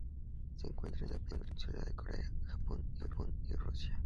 Se encuentra en la Península de Corea, Japón y Rusia.